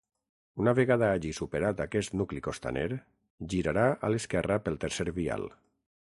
Una vegada hagi superat aquest nucli costaner, girarà a l'esquerra pel tercer vial.